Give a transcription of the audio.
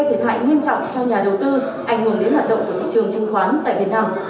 thiệt hại nghiêm trọng cho nhà đầu tư ảnh hưởng đến hoạt động của thị trường chứng khoán tại việt nam